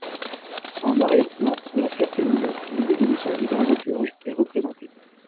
En arrière-plan, La Ferté-Milon, lieu de naissance du dramaturge, est représentée.